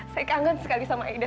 saya kangen sekali sama ida